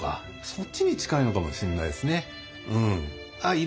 そっちに近いのかもしんないですね。